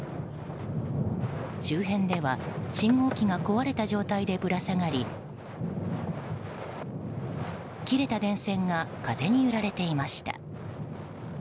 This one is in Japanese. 周辺では信号機が壊れた状態でぶら下がり切れた電線が風に揺られていました。